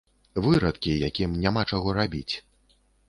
Вырадкі, якім няма чаго рабіць.